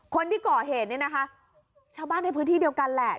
คนที่ก่อเหตุเนี่ยนะคะชาวบ้านในพื้นที่เดียวกันแหละ